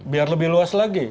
biar lebih luas lagi